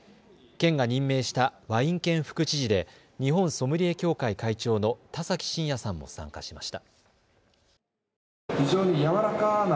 県が任命したワイン県副知事で日本ソムリエ協会会長の田崎真也さんも参加しました。